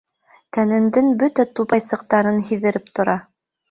Тәнеңдең бөтә тупайсыҡтарын һиҙҙереп тора.